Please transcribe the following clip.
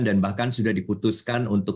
dan bahkan sudah diputuskan untuk